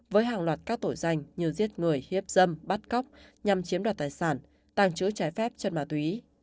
với hàng loạt các tội danh như giết người hiếp dâm bắt cóc nhằm chiếm đoạt tài sản tàng trữ trái phép chất ma túy